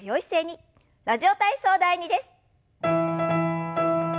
「ラジオ体操第２」です。